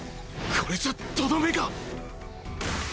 これじゃとどめが。